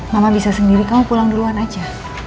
mama bisa sendiri kamu pulang duluan aja